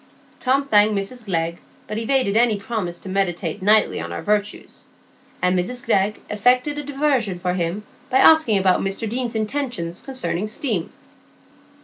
Tom thanked Mrs Glegg, but evaded any promise to meditate nightly on her virtues; and Mr Glegg effected a diversion for him by asking about Mr Deane's intentions concerning steam.